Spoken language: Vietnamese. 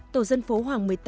tổ dân phố hoàng một mươi tám